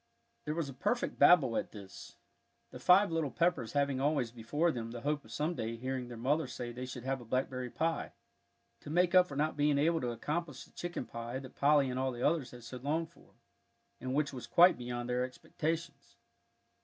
There was a perfect babel at this, the five little Peppers having always before them the hope of some day hearing their mother say they should have a blackberry pie to make up for not being able to accomplish the chicken pie that Polly and all the others had so longed for and which was quite beyond their expectations.